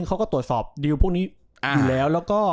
เขาก็ตรวจสอบดิวพวกนี้อยู่แล้วแล้วก็